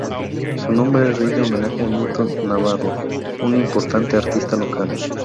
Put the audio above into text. Su nombre rinde homenaje a Newton Navarro, un importante artista local.